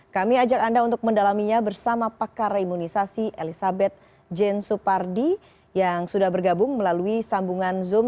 kami ajak anda untuk mendalaminya bersama pakar imunisasi elizabeth jane supardi yang sudah bergabung melalui sambungan zoom